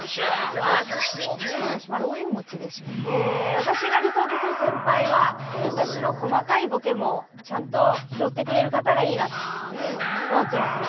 私が理想とする先輩は私の細かいボケもちゃんと拾ってくれる方がいいなと思ってますので。